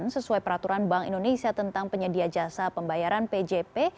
sesuai peraturan bank indonesia tentang penyedia jasa pembayaran pjp